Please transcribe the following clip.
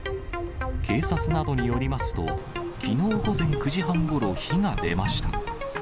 警察などによりますと、きのう午前９時半ごろ、火が出ました。